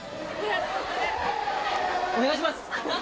お願いします！